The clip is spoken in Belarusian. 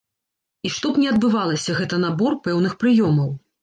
І што б ні адбывалася, гэта набор пэўных прыёмаў.